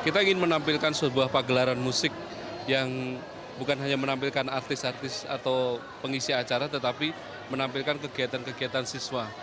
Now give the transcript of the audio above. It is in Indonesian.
kita ingin menampilkan sebuah pagelaran musik yang bukan hanya menampilkan artis artis atau pengisi acara tetapi menampilkan kegiatan kegiatan siswa